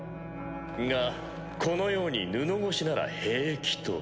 がこのように布越しなら平気と。